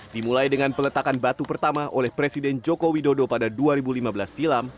dimulai dengan peletakan batu pertama oleh presiden joko widodo pada dua ribu lima belas silam